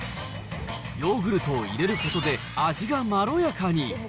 ヨーグルトを入れることで味がまろやかに。